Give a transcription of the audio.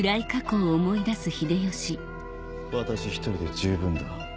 私一人で十分だ。